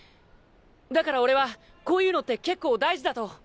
だから俺はこういうのって結構大事だと。